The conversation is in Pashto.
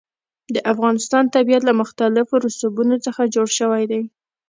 د افغانستان طبیعت له مختلفو رسوبونو څخه جوړ شوی دی.